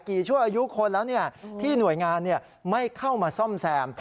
ชั่วอายุคนแล้วที่หน่วยงานไม่เข้ามาซ่อมแซม